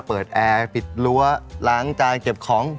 แอร์ปิดรั้วล้างจานเก็บของ